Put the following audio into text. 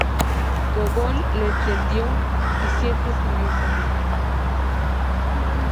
Gógol lo entendió y siempre escribió sobre ello.